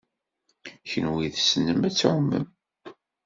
Kenwi tessnem ad tɛumem.